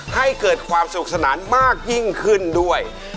ให้เกิดความสนุกสนานมากยิ่งขึ้นด้วย